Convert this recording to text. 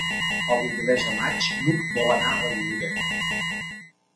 El vint-i-tres de maig n'Hug vol anar a la biblioteca.